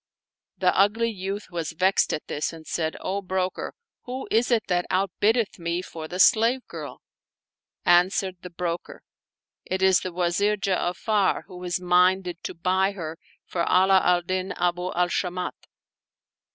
The ugly youth was vexed at this and said, " O broker! who is it that outbiddeth me for the slave girl?" An swered the broker, " It is the Wazir Ja'afar who is minded to buy her for Ala al din Abu al Shamat."